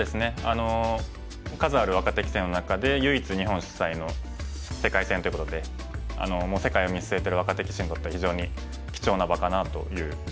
数ある若手棋戦の中で唯一日本主催の世界戦ということでもう世界を見据えてる若手棋士にとっては非常に貴重な場かなという気はしてます。